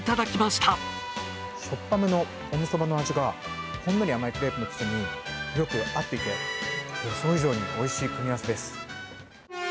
しょっぱめのオムそばの味がほんのり甘いクレープの生地に合っていて予想以上においしい組み合わせです。